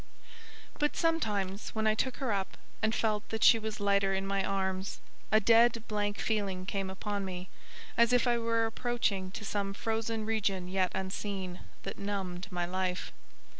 But, sometimes, when I took her up, and felt that she was lighter in my arms, a dead blank feeling came upon me, as if I were approaching to some frozen region yet unseen, that numbed my life.